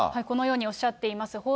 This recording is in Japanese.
このようにおっしゃっています。